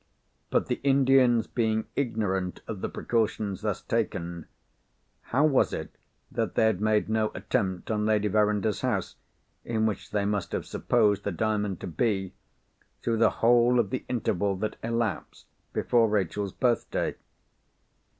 But the Indians being ignorant of the precautions thus taken, how was it that they had made no attempt on Lady Verinder's house (in which they must have supposed the Diamond to be) through the whole of the interval that elapsed before Rachel's birthday?